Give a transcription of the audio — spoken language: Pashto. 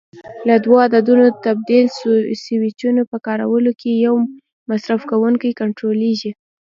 له دوو عددونو تبدیل سویچونو په کارولو سره یو مصرف کوونکی کنټرولېږي.